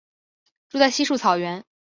住在稀树草原。